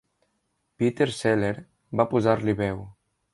Peter Seller va posar-li veu.